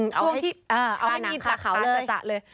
ช่วงที่เอาให้มีค่าจั๊ะเลย